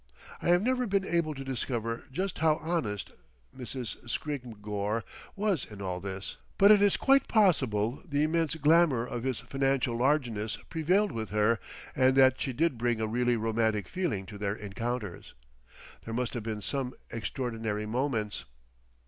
I have never been able to discover just how honest Mrs. Scrymgeour was in all this, but it is quite possible the immense glamour of his financial largeness prevailed with her and that she did bring a really romantic feeling to their encounters. There must have been some extraordinary moments....